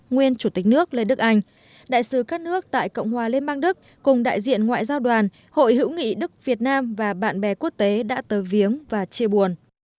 nguyên chủ tịch nước lê đức anh đại sứ các nước tại cộng hòa liên bang đức cùng đại diện ngoại giao đoàn hội hữu nghị đức việt nam và bạn bè quốc tế đã tờ viếng và chia buồn